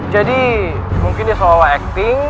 jadi mungkin dia salah salah acting